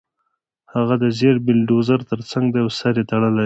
هغه د زېړ بلډیزور ترڅنګ دی او سر یې تړلی دی